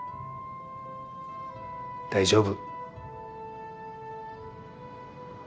大丈夫！